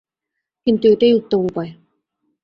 কিন্তু এটাই উত্তম উপায়।